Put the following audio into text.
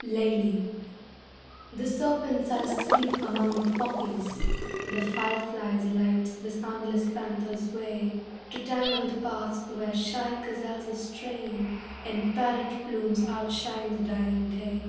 LEILI The serpents are asleep among the poppies, The fireflies light the soundless panther's way To tangled paths where shy gazelles are straying, And parrot plumes outshine the dying day.